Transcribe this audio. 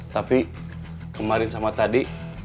tapi kemarin sama tadi